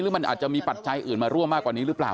มันอาจจะมีปัจจัยอื่นมาร่วมมากกว่านี้หรือเปล่า